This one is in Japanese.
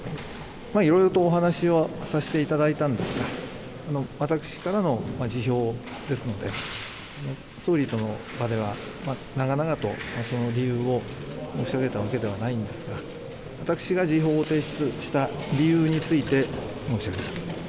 いろいろとお話をさせていただいたんですが私からの辞表ですので総理との場では長々と、その理由を申し上げたわけではないんですが私が辞表を提出した理由について申し上げます。